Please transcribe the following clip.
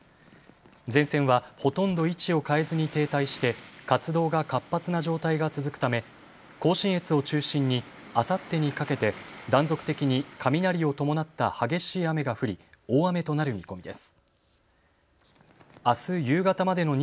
前線はほとんど位置を変えずに停滞して活動が活発な状態が続くため、甲信越を中心にあさってにかけて断続的に雷を伴った激しい雨が降り大雨となる見込みです。